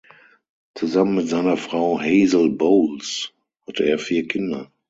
Zusammen mit seiner Frau Hazel Bowles hatte er vier Kinder.